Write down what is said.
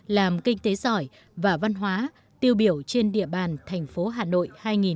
làm kinh tế giỏi và văn hóa tiêu biểu trên địa bàn thành phố hà nội hai nghìn hai mươi